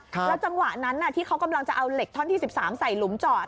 แล้วจังหวะนั้นที่เขากำลังจะเอาเหล็กท่อนที่๑๓ใส่หลุมจอด